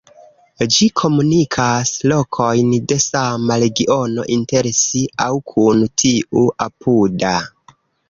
Ĝi komunikas lokojn de sama regiono inter si aŭ kun tiu apuda.